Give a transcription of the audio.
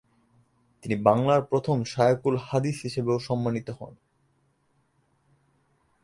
তিনি বাংলার প্রথম শায়খুল হাদিস হিসেবেও সম্মানিত হন।